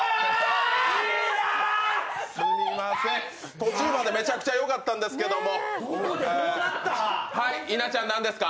途中までめちゃくちゃよかったんですけども。